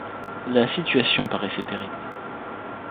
La situation paraissait terrible.